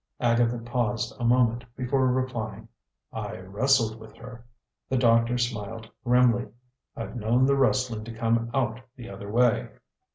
Agatha paused a moment before replying, "I wrestled with her." The doctor smiled grimly, "I've known the wrestling to come out the other way."